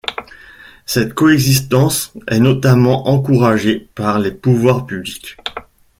Cette coexistence est notamment encouragée par les pouvoirs publics.